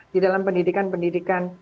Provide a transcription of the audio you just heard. di dalam pendidikan pendidikan